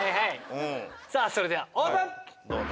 さあそれではオープン。